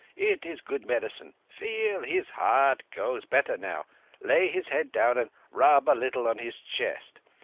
It is good medicine. Feel! His heart goes better now. Lay his head down and rub a little on the chest.